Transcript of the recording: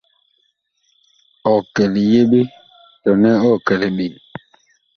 Ɔg kɛ liyeɓe tɔnɛ ɔg kɛ liɓen ?